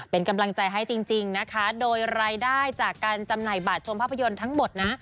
เป็นกำลังใจให้จริงนะคะโดยรายได้จากการจำหน่ายบัตรชมภาพยนตร์ทั้งหมดนะ